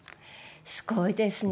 すごいですね。